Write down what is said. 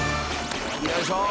よいしょ！